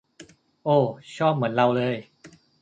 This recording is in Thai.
โอว ชอบเหมือนเราเลย